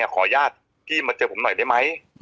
ขออนุญาตพี่มาเจอผมหน่อยได้ไหม